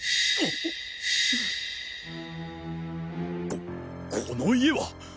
ここの家は！